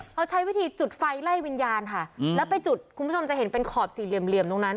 เขาใช้วิธีจุดไฟไล่วิญญาณค่ะแล้วไปจุดคุณผู้ชมจะเห็นเป็นขอบสี่เหลี่ยมตรงนั้น